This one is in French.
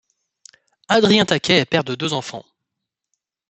Adrien Taquet est père de deux enfants.